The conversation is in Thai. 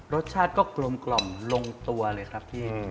รสชาติก็กลมลงตัวเลยครับพี่